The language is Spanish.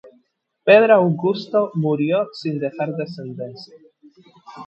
Pedro Augusto murió sin dejar descendencia.